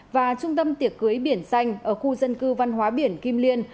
và trung tâm tiệc cưới biển xanh ở khu dân cư văn hóa biển kim liên